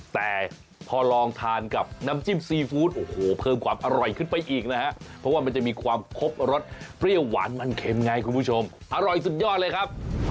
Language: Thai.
แต่พอลองทานกับน้ำจิ้มซีฟู้ดโอ้โหเพิ่มความอร่อยขึ้นไปอีกนะฮะเพราะว่ามันจะมีความครบรสเปรี้ยวหวานมันเข็มไงคุณผู้ชมอร่อยสุดยอดเลยครับ